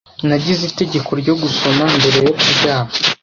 Nagize itegeko ryo gusoma mbere yo kuryama.